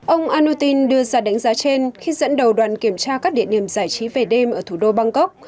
ông an nu tin đưa ra đánh giá trên khi dẫn đầu đoàn kiểm tra các địa điểm giải trí về đêm ở thủ đô bangkok